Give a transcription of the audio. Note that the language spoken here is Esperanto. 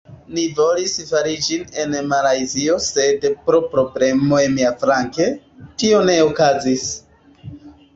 Ni volis fari ĝin en Malajzio sed pro problemoj miaflanke, tio ne okazis